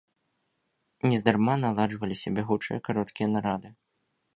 Нездарма наладжваліся бягучыя кароткія нарады.